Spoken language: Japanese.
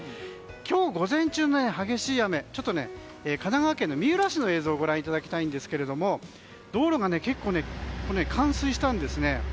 今日午前中の激しい雨神奈川県三浦市の映像ご覧いただきたいんですが道路が結構、冠水したんですね。